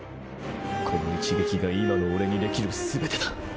この一撃が今の俺にできるすべてだ。